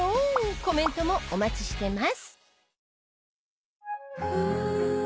コメントもお待ちしてます